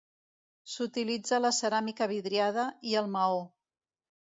S'utilitza la ceràmica vidriada i el maó.